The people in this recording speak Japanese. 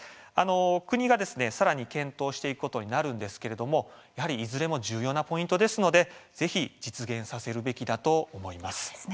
国がさらに検討していくことになるんですけれどもやはり、いずれも重要なポイントですのでぜひ実現させるべきだと思います。